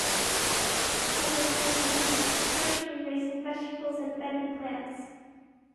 This type of plug is used for commercially raising vegetables and bedding plants.